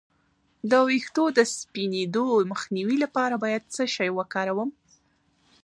د ویښتو د سپینیدو مخنیوي لپاره باید څه شی وکاروم؟